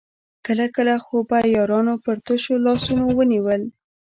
کله کله خو به يارانو پر تشو لاسونو ونيول.